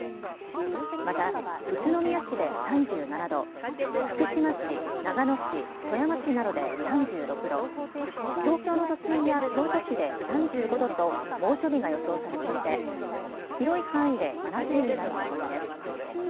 また宇都宮市で３７度、福島市、長野市、富山市などで３６度、東京の都心や京都市で３５度と猛暑日が予想されていて広い範囲で真夏日になる見込みです。